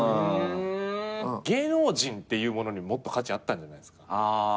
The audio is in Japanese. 芸能人っていうものにもっと価値あったんじゃないですか？